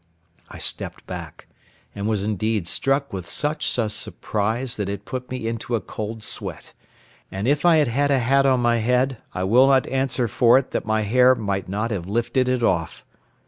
I stepped back, and was indeed struck with such a surprise that it put me into a cold sweat, and if I had had a hat on my head, I will not answer for it that my hair might not have lifted it off.